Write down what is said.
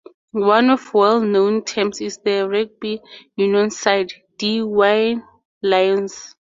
One of the well known teams is the rugby union side, Dee Why Lions.